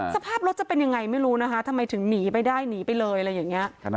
สภาพรถจะเป็นยังไงไม่รู้นะคะทำไมถึงหนีไปได้หนีไปเลยอะไรอย่างนี้